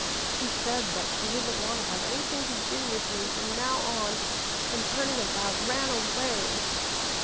She said that she didn't want to have anything to do with me from now on and, turning about, ran away."